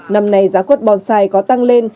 năm nay giá quất bonsai có tăng lên